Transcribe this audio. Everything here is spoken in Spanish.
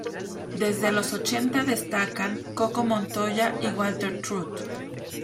Desde los ochenta destacan Coco Montoya y Walter Trout.